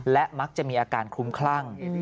และมักจะมีอาการคลุ้มคลั่ง